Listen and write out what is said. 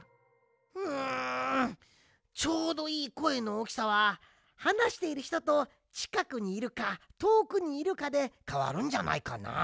うんちょうどいいこえのおおきさははなしているひととちかくにいるかとおくにいるかでかわるんじゃないかな。